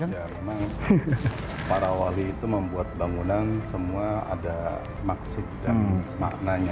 ya memang para wali itu membuat bangunan semua ada maksud dan maknanya